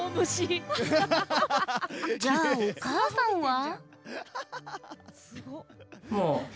じゃあ、お母さんは？